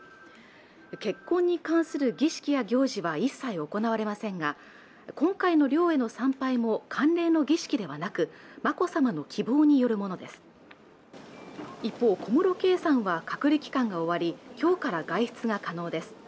結婚に関する儀式や行事は一切行われませんが今回の陵への参拝も関連の儀式ではなく眞子さまの希望によるものです一方、小室圭さんは隔離期間が終わり今日から外出が可能です